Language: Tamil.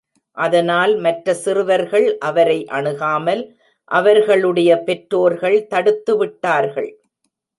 அதனால் மற்ற சிறுவர்கள் அவரை அணுகாமல் அவர்களுடைய பெற்றோர்கள் தடுத்துவிட்டார்கள்.